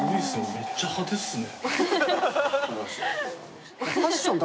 めっちゃ派手っすね。